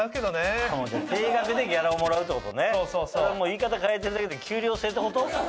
言い方変えてるだけで給料制ってこと？